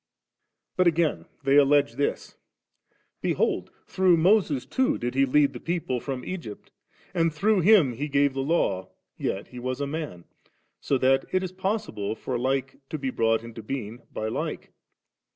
27. But again they allege this: — 'Behold, through Moses too did He lead the people from Egypt, and through him He gave the Law, yet he was a man ; so that it is possible for hke to be brought into being by like.'